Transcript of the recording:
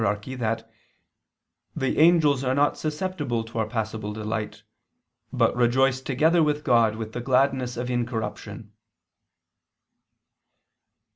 _ that "the angels are not susceptible to our passible delight, but rejoice together with God with the gladness of incorruption."